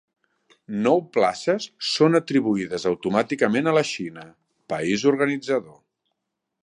Nou places són atribuïdes automàticament a la Xina, país organitzador.